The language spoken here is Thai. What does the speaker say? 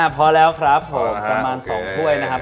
พอแล้วครับผมประมาณ๒ถ้วยนะครับ